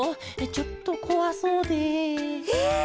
ちょっとこわそうで。え！